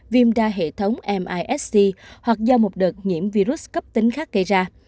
viêm ra hệ thống mis c hoặc do một đợt nhiễm virus cấp tính khác gây ra